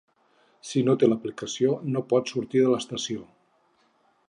Si no té l’aplicació no pot sortir de l’estació.